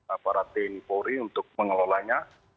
aparat tni polri untuk mengelolanya